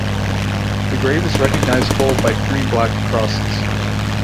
The grave is recognizable by three black crosses.